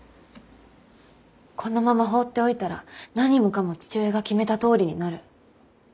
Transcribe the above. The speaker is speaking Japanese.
このまま放っておいたら何もかも父親が決めたとおりになる。